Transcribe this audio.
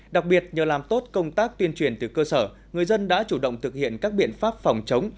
đặc biệt nhờ làm tốt công tác tuyên truyền từ cơ sở người dân đã chủ động thực hiện các biện pháp phòng chống